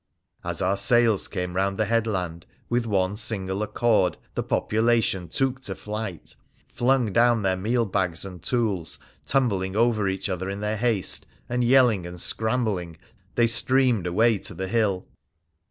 As our sails came round the headland, with one single accord the population took to flight, flung down their meal bags and tools, tumbling over each other in their haste, and yelling and scrambling they streamed away to the hill.